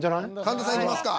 神田さんいきますか？